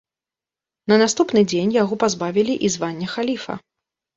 На наступны дзень яго пазбавілі і звання халіфа.